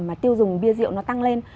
mà tiêu dùng bia rượu nó tăng lên